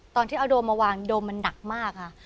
ตอนที่เอาโดมมาวางโดมมันหนักมากค่ะ